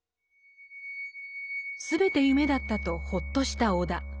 全て夢だったとほっとした尾田。